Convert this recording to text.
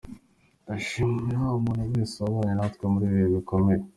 Ndashimira umuntu wese wabanye natwe muri ibi bihe bikomeye.